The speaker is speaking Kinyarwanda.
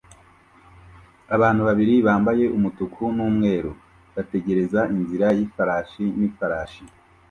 Abantu babiri bambaye umutuku n'umweru bategereza inzira y'ifarashi n'ifarashi